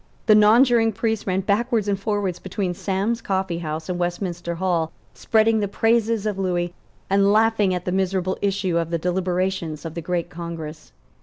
The nonjuring priests ran backwards and forwards between Sam's Coffee House and Westminster Hall, spreading the praises of Lewis, and laughing at the miserable issue of the deliberations of the great Congress.